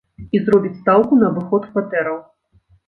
І зробіць стаўку на абыход кватэраў.